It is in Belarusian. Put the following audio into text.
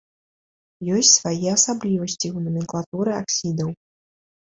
Ёсць свае асаблівасці ў наменклатуры аксідаў.